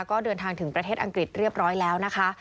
ก็เดินทางถึงประเทศอังกฤษเรียบร้อยแล้วนะคะ